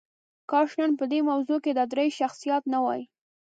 کاش نن په دې موضوع کې دا درې شخصیات نه وای.